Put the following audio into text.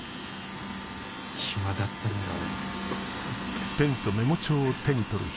暇だったのよ俺。